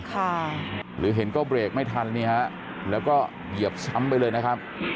หรือเห็นก็เบรกไม่ทันนี่ฮะแล้วก็เหยียบซ้ำไปเลยนะครับ